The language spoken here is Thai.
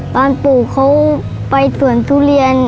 ตอนปุ๋เขาไปสวนทุเรียน